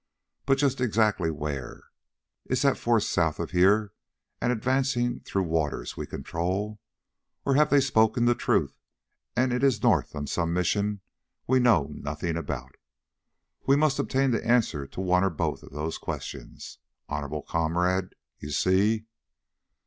But just exactly where? Is that force south of here and advancing through waters we control? Or have they spoken the truth, and is it north on some mission we know nothing about? We must obtain the answer to one or both of those questions, Honorable Comrade, you see?"